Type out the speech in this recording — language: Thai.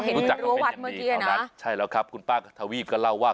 เห็นรั้ววัดเมื่อกี้นะใช่แล้วครับคุณป้าทวีบก็เล่าว่า